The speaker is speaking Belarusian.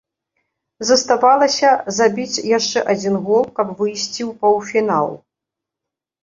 Заставалася забіць яшчэ адзін гол, каб выйсці ў паўфінал.